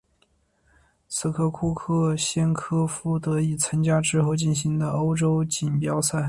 至此库克先科夫得以参加之后进行的欧洲锦标赛。